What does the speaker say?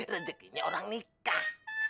rezekinya orang nikah